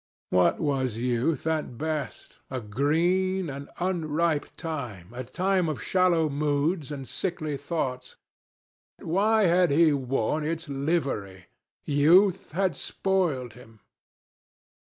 What was youth at best? A green, an unripe time, a time of shallow moods, and sickly thoughts. Why had he worn its livery? Youth had spoiled him.